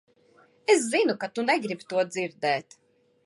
Es zinu, ka tu negribi to dzirdēt.